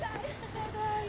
ただいま。